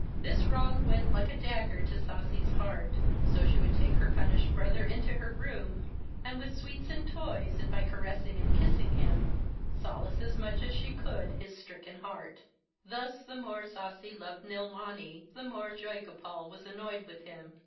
This wrong went like a dagger to Sasi's heart; so she would take her punished brother into her room, and with sweets and toys, and by caressing and kissing him, solace as much as she could his stricken heart. Thus the more Sasi loved Nilmani, the more Joygopal was annoyed with him.